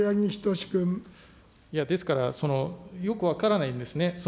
いや、ですから、よく分からないんですね。